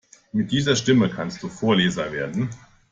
Mit dieser Stimme kannst du Vorleser werden.